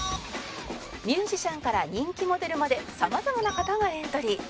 ミュージシャンから人気モデルまで様々な方がエントリー